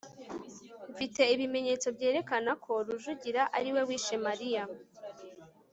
mfite ibimenyetso byerekana ko rujugiro ariwe wishe mariya